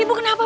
ibu kenapa bu